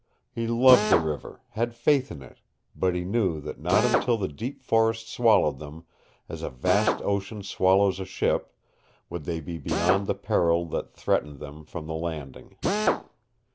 He loved the river, had faith in it, but he knew that not until the deep forests swallowed them, as a vast ocean swallows a ship, would they be beyond the peril that threatened them from the Landing.